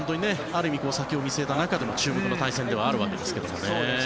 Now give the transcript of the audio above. ある意味、先を見据えた中でも注目の対戦ではあるわけですけれどもね。